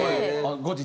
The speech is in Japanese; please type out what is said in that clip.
後日？